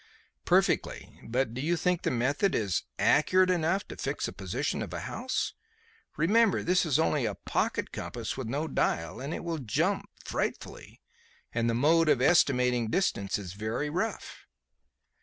"Perfectly. But do you think the method is accurate enough to fix the position of a house? Remember, this is only a pocket compass with no dial, and it will jump frightfully. And the mode of estimating distance is very rough."